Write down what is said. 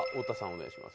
お願いします。